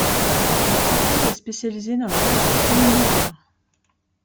L'entreprise est spécialisée dans la construction militaire.